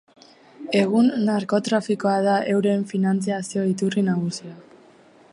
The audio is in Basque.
Egun narkotrafikoa da euren finantziazio-iturri nagusia.